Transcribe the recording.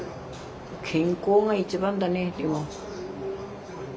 健康が一番だねでも。